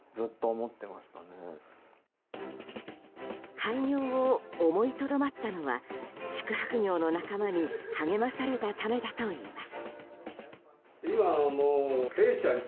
廃業を思いとどまったのは宿泊業の仲間に励まされたためだといいます。